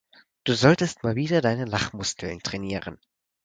Du solltest mal wieder deine Lachmuskeln trainieren.